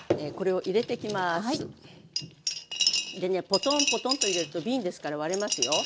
ポトンポトンと入れると瓶ですから割れますよ。